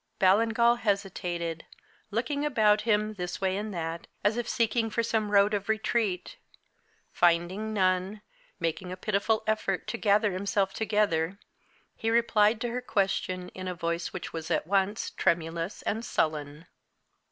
Ballingall hesitated, looking about him this way and that as if seeking for some road of retreat. Finding none, making a pitiful effort to gather himself together, he replied to her question in a voice which was at once tremulous and sullen.